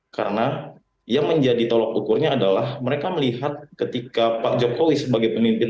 karena yang menjadi tolok ukurnya adalah mereka melihat ketika pak jokowi sebagai pemimpin